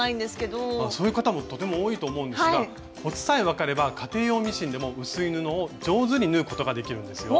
そういう方もとても多いと思うんですがコツさえ分かれば家庭用ミシンでも薄い布を上手に縫うことができるんですよ。